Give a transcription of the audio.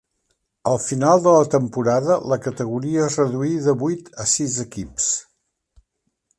Al final de la temporada la categoria es reduí de vuit a sis equips.